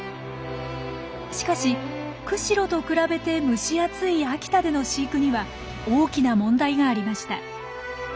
しかし釧路と比べて蒸し暑い秋田での飼育には大きな問題がありました。